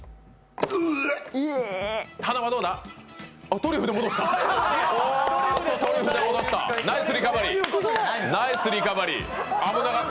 トリュフで戻した。